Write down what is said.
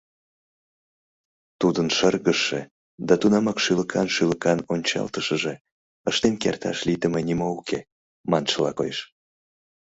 Тудын шыргыжше да тунамак шӱлыкан-шӱлыкан ончалтышыже «Ыштен керташ лийдыме нимо уке» маншыла коеш.